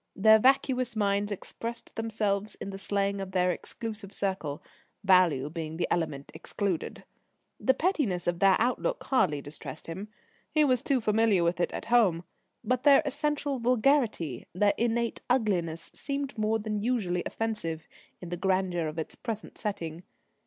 Their vacuous minds expressed themselves in the slang of their exclusive circle value being the element excluded. The pettiness of their outlook hardly distressed him he was too familiar with it at home but their essential vulgarity, their innate ugliness, seemed more than usually offensive in the grandeur of its present setting.